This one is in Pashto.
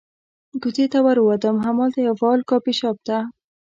کوڅې ته ور ووتم، همالته یوه فعال کافي شاپ ته.